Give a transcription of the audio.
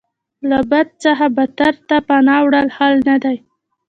له بد څخه بدتر ته پناه وړل حل نه دی.